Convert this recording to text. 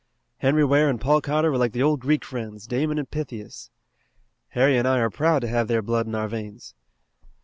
Henry Ware and Paul Cotter were like the old Greek friends, Damon and Pythias. Harry and I are proud to have their blood in our veins.